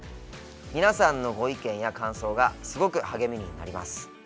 皆さんのご意見や感想がすごく励みになります。